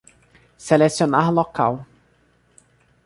Selecionar local